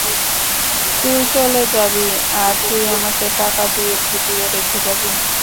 তুই চলে যাবি, আর তুই আমাকে টাকা দিয়ে ভুলিয়ে রেখে যাবি?